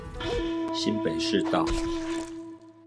新北市道